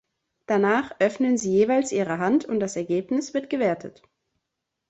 Danach öffnen sie jeweils ihre Hand und das Ergebnis wird gewertet.